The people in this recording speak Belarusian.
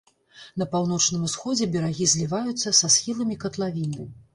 На паўночным усходзе берагі зліваюцца са схіламі катлавіны.